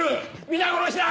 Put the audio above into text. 皆殺しだ！